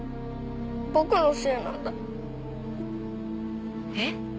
僕のせいなんだ。え？